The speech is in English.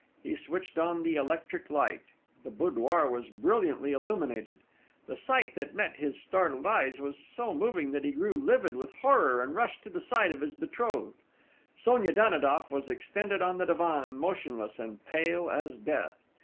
He switched on the electric light: the boudoir was brilliantly illuminated.... The sight that met his startled eyes was so moving that he grew livid with horror and rushed to the side of his betrothed. Sonia Danidoff was extended on the divan motionless and pale as death.